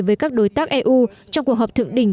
với các đối tác eu trong cuộc họp thượng đỉnh